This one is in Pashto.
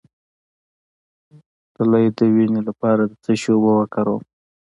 د لۍ د وینې لپاره د څه شي اوبه وکاروم؟